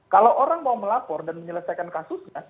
kalau orang mau melapor dan menyelesaikan kasusnya